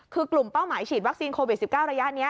คือกลุ่มเป้าหมายฉีดวัคซีนโควิด๑๙ระยะนี้